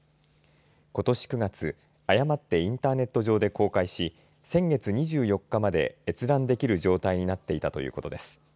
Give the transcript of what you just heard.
ことし９月、誤ってインターネット上で公開し先月２４日まで閲覧できる状態になっていたということです。